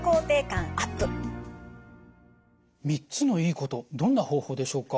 ３つのいいことどんな方法でしょうか？